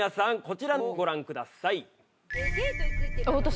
こちらをご覧ください。